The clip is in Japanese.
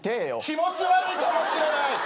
気持ち悪いかもしれない。